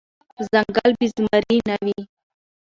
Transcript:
ځنګل بی زمري نه وي .